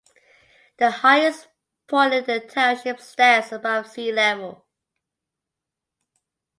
The highest point in the township stands above sea level.